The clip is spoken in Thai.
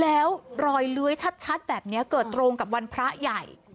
แล้วรอยเลื้อยชัดแบบนี้เกิดตรงกับวันพระใหญ่